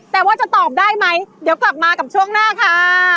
แต่ว่าจะตอบได้ไหมเดี๋ยวกลับมากับช่วงหน้าค่ะ